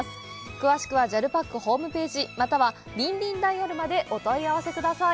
詳しくはＪＡＬパックホームページまたはリン・リン・ダイヤルまでお問い合わせください